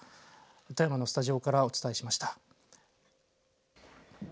富山のスタジオからお伝えしました。